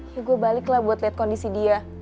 ya gue balik lah buat liat kondisi dia